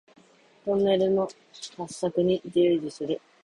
トンネルの開削に従事する